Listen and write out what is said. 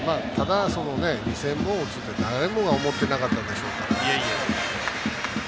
２０００本打つって誰もが思ってなかったでしょうから。